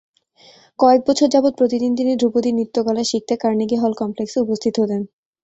কয়েক বছর যাবৎ প্রতিদিন তিনি ধ্রুপদী নৃত্যকলা শিখতে কার্নেগি হল কমপ্লেক্সে উপস্থিত হতেন।